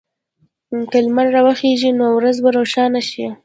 که لمر راوخېژي، نو ورځ به روښانه شي.